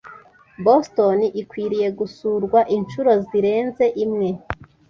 Boston ikwiriye gusurwa inshuro zirenze imwe.